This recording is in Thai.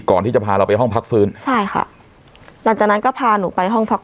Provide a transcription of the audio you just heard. ก่อนที่จะพาเราไปห้องพักฟื้นใช่ค่ะหลังจากนั้นก็พาหนูไปห้องพัก